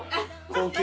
高級。